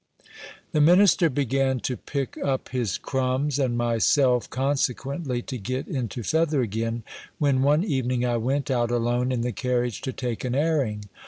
The minister began to pick up his crumbs, and myself consequently to get into feather again, when one evening I went out alone in the carriage to take an airing.